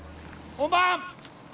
・本番！